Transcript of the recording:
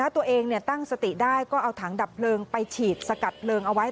ตัวเองตั้งสติได้ก็เอาถังดับเพลิงไปฉีดสกัดเพลิงเอาไว้